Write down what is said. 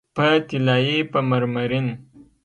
په طلایې، په مرمرین